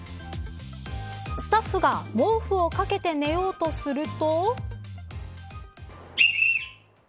スタッフが毛布をかけて寝ようとすると。